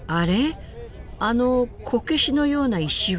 あのこけしのような石は何？